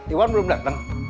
iwan belum dateng